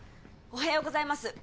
おはようございます